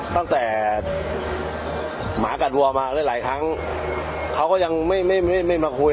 ตั้งแต่หมากัดวัวมาหลายหลายครั้งเขาก็ยังไม่ไม่มาคุย